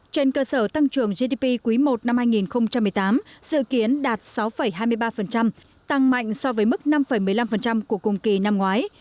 trên cơ sở tăng trưởng gdp quý i năm hai nghìn một mươi tám dự kiến đạt sáu hai mươi ba tăng mạnh so với mức năm một mươi năm của cùng kỳ năm ngoái